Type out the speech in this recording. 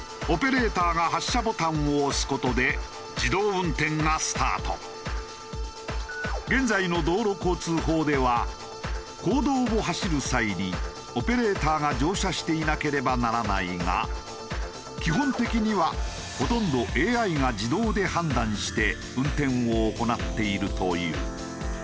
オペレーターが現在の道路交通法では公道を走る際にオペレーターが乗車していなければならないが基本的にはほとんどＡＩが自動で判断して運転を行っているという。